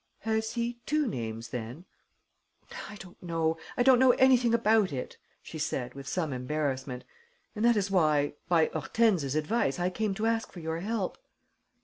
"Has he two names then?" "I don't know ... I don't know anything about it," she said, with some embarrassment, "and that is why, by Hortense's advice, I came to ask for your help."